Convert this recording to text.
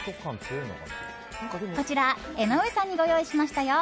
こちら、江上さんにご用意しましたよ。